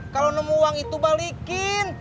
kalau nemu uang itu balikin